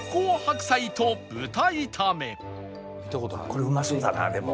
これうまそうだなでも。